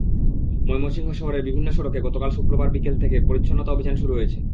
ময়মনসিংহ শহরের বিভিন্ন সড়কে গতকাল শুক্রবার বিকেল থেকে পরিচ্ছন্নতা অভিযান শুরু হয়েছে।